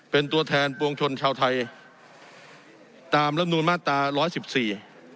เป็นตัวแทนปวงชนชาวไทยตามลำนูลมาตราร้อยสิบสี่